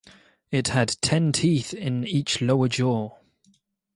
It had ten teeth in each lower jaw.